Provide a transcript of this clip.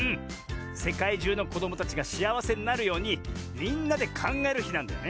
せかいじゅうのこどもたちがしあわせになるようにみんなでかんがえるひなんだよね。